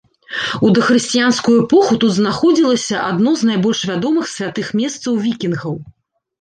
У дахрысціянскую эпоху тут знаходзілася адно з найбольш вядомых святых месцаў вікінгаў.